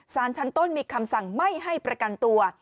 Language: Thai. สารชั้นต้นมีคำสั่งไม่ให้ประกันตัว